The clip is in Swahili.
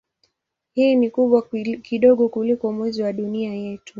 Hii ni kubwa kidogo kuliko Mwezi wa Dunia yetu.